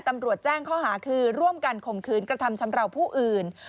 ตำรวจแจ้งข้อหาคือร่วมกันข่มขืนกระทำชำราวผู้อื่น